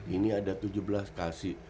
ini ada tujuh belas kasih